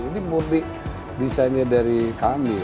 ini murni desainnya dari kami